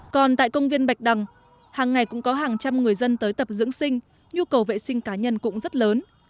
còn tại công viên bạch đằng hàng ngày cũng có hàng trăm người dân tới tập dưỡng sinh nhu cầu vệ sinh cá nhân cũng rất lớn